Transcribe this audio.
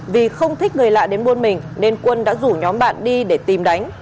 vì không thích người lạ đến buôn mình nên quân đã rủ nhóm bạn đi để tìm đánh